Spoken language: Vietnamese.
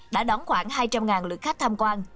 đã đón khoảng hai trăm linh lượt khách tham quan